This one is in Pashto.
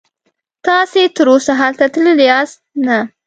تاسې تراوسه هلته تللي یاست؟ نه.